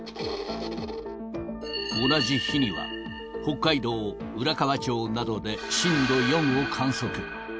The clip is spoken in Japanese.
同じ日には、北海道浦河町などで震度４を観測。